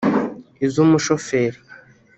iz’umushoferi